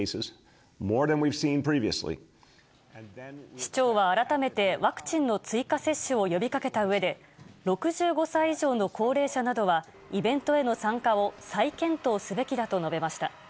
市長は改めてワクチンの追加接種を呼びかけたうえで、６５歳以上の高齢者などは、イベントへの参加を再検討すべきだと述べました。